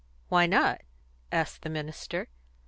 "Why not?" asked the minister.